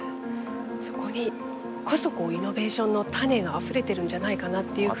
そこにこそイノベーションの種があふれてるんじゃないかなって。